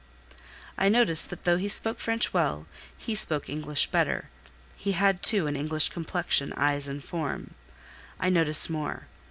I noticed that though he spoke French well, he spoke English better; he had, too, an English complexion, eyes, and form. I noticed more.